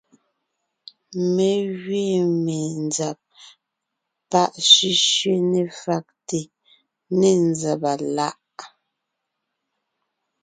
Mé gẅiin menzab pá sẅísẅé ne fàgte ne nzàba láʼ.